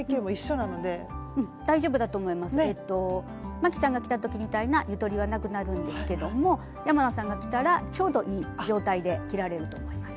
まきさんが着た時みたいなゆとりはなくなるんですけども山名さんが着たらちょうどいい状態で着られると思います。